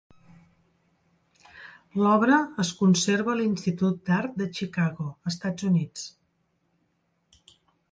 L'obra es conserva a l'Institut d'Art de Chicago, Estats Units.